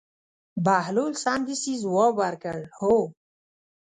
بهلول سمدستي ځواب ورکړ: هو.